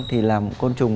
thì là một côn trùng